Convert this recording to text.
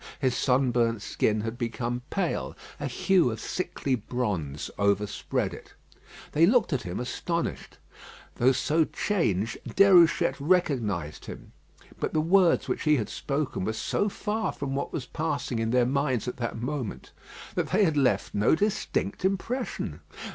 His sunburnt skin had become pale: a hue of sickly bronze overspread it. They looked at him astonished. Though so changed, Déruchette recognised him. But the words which he had spoken were so far from what was passing in their minds at that moment, that they had left no distinct impression.